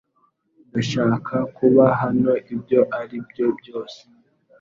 Ndashaka kuba hano ibyo ari byo byose